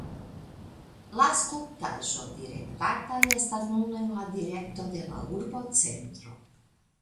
La skulptaĵo direktata estas nun en la direkto de la urbocentro.